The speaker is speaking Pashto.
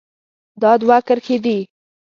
دا دوه کرښې دي.